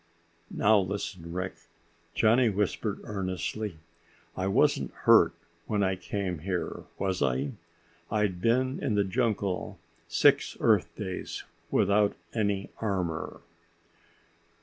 "Now, listen, Rick," Johnny whispered earnestly, "I wasn't hurt when I came here, was I? I'd been in the jungle six Earth days without any armor."